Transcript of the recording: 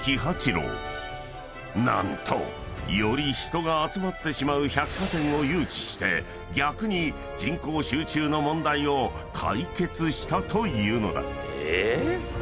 ［何とより人が集まってしまう百貨店を誘致して逆に人口集中の問題を解決したというのだ］